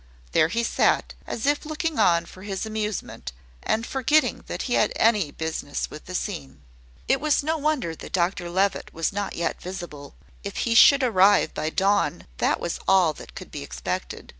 There he sat, as if looking on for his amusement, and forgetting that he had any business with the scene. It was no wonder that Dr Levitt was not yet visible. If he should arrive by dawn, that was all that could be expected.